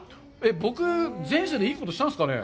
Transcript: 僕、前世でいいことしたんですかね。